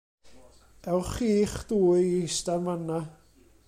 Ewch chi'ch dwy i ista'n fan 'na.